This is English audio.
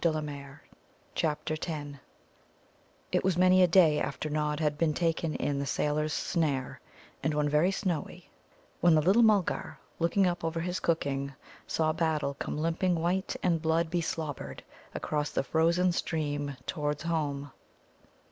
CHAPTER X It was many a day after Nod had been taken in the sailor's snare, and one very snowy, when the little Mulgar, looking up over his cooking, saw Battle come limping white and blood beslobbered across the frozen stream towards home.